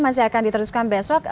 masih akan diteruskan besok